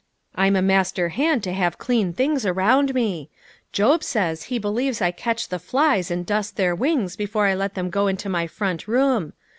I'm a master hand to have clean things around me ; Job says he believes I catch the flies and dust their wings before I let them go into my front room.